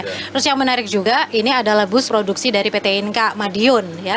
terus yang menarik juga ini adalah bus produksi dari pt inka madiun